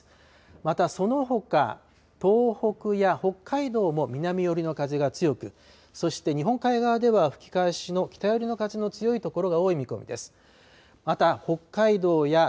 またそのほか東北や北海道も南寄りの風が強く、そして、日本海側では吹き返しの北寄りの風の強いところが多い見込みです。